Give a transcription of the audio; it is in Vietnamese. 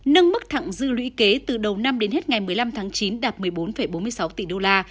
nâng mức thẳng dư lũy kế từ đầu năm đến hết ngày một mươi năm tháng chín đạt một mươi bốn bốn mươi sáu tỷ đô la